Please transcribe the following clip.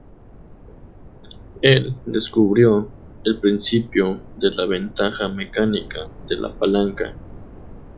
Él descubrió el principio de la ventaja mecánica de la palanca.